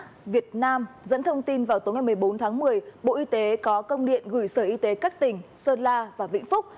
tại việt nam dẫn thông tin vào tối ngày một mươi bốn tháng một mươi bộ y tế có công điện gửi sở y tế các tỉnh sơn la và vĩnh phúc